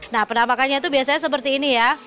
nah penampakannya itu biasanya seperti ini ya